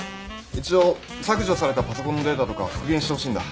一応削除されたパソコンのデータとかを復元してほしいんだ。